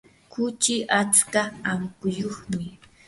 kuchi atska amukuyuqmi.